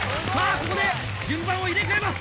ここで順番を入れ替えます！